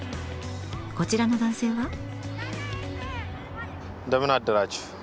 こちらの男性は。